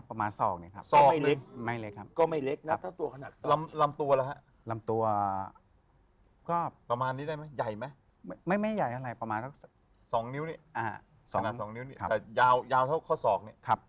แผลแม่เบี้ยเลยครับ